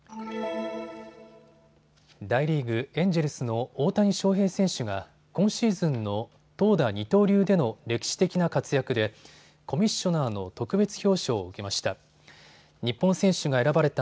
大リーグ、エンジェルスの大谷翔平選手が今シーズンの投打二刀流での歴史的な活躍でコミッショナーの特別表彰を受けました。